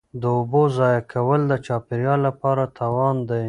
د اوبو ضایع کول د چاپیریال لپاره تاوان دی.